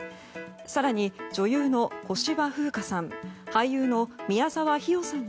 更に女優の小芝風花さん